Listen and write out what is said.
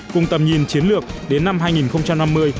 cùng tầm nhìn chiến lược đến năm hai nghìn năm mươi